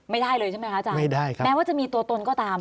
ไม่ได้เลยใช่ไหมอาจารย์แม้ว่าจะมีตัวตนก็ตามไม่ได้ครับ